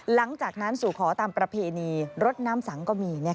หลังจากนั้นสู่ขอตามประเพณีรถน้ำสังก็มี